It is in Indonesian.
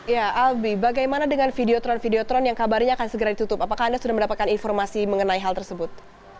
ya albi bagaimana dengan videotron videotron yang kabarnya akan segera ditutup apakah anda sudah mendapatkan informasi mengenai hal tersebut